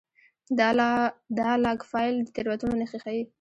دا لاګ فایل د تېروتنو نښې ښيي.